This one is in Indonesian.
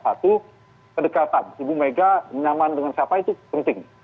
satu kedekatan ibu mega nyaman dengan siapa itu penting